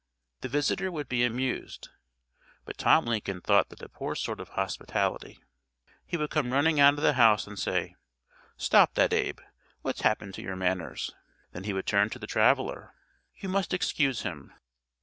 The visitor would be amused, but Tom Lincoln thought that a poor sort of hospitality. He would come running out of the house and say, "Stop that, Abe. What's happened to your manners?" Then he would turn to the traveler, "You must excuse him.